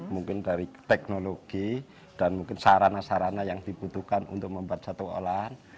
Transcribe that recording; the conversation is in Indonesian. mungkin dari teknologi dan mungkin sarana sarana yang dibutuhkan untuk membuat satu olahan